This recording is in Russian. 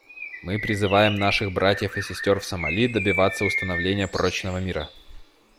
Мы призываем наших братьев и сестер в Сомали добиваться установления прочного мира.